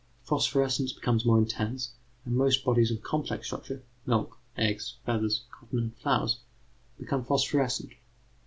Phosphorescence becomes more intense, and most bodies of complex structure milk, eggs, feathers, cotton, and flowers become phosphorescent.